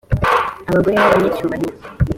abagore b abanyacyubahiro